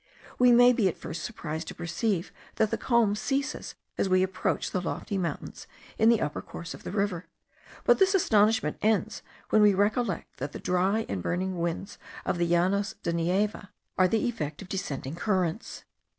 We may be at first surprised to perceive that the calm ceases as we approach the lofty mountains in the upper course of the river, but this astonishment ends when we recollect that the dry and burning winds of the Llanos de Neiva are the effect of descending currents.